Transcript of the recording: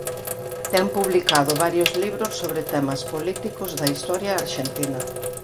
Ten publicado varios libros sobre temas políticos da historia arxentina.